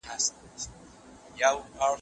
ټولنپوهنه د انساني ټولني پوهه ده.